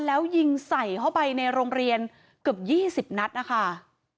แล้วยิงใส่เข้าไปในโรงเรียนเกือบ๒๐นัดนะคะ